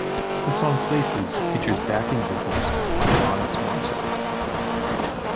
The song "Places" features backing vocals by Alanis Morissette.